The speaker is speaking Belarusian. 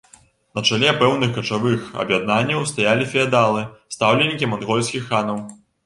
На чале пэўных качавых аб'яднанняў стаялі феадалы, стаўленікі мангольскіх ханаў.